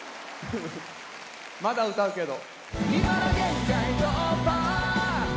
まだ歌うけど。